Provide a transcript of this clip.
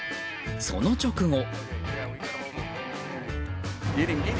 その直後。